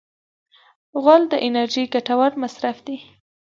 غول د انرژۍ ګټور مصرف دی.